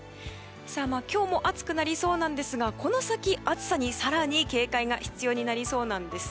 今日も暑くなりそうなんですがこの先、暑さに更に警戒が必要になりそうなんです。